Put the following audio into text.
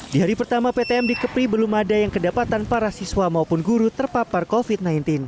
di hari pertama ptm di kepri belum ada yang kedapatan para siswa maupun guru terpapar covid sembilan belas